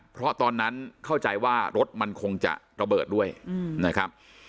เพราะตอนนั้นเข้าใจว่ารถมันคงจะระเบิดด้วยนะครับ